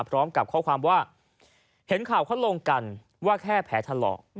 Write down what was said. พร้อมกับข้อความว่าเห็นข่าวเขาลงกันว่าแค่แผลถลอก